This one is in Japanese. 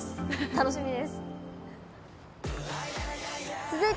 楽しみです。